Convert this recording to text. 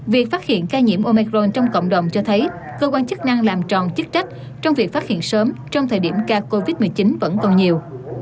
việc phát hiện ca nhiễm omicron trong cộng đồng cho thấy cơ quan chức năng làm tròn chức trách trong việc phát hiện sớm trong thời điểm ca covid một mươi chín vẫn còn nhiều